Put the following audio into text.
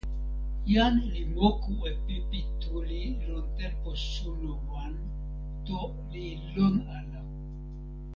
"jan li moku e pipi tuli lon tenpo suno wan" to li lon ala.